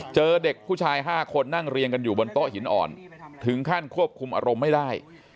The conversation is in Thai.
เจอเด็กผู้ชาย๕คนนั่งเรียงกันอยู่บนโต๊ะหินอ่อนถึงขั้นควบคุมอารมณ์ไม่ได้